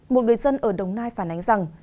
một người dân ở đồng nai phản ánh rằng